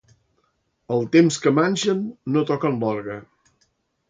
El temps que manxen no toquen l'orgue.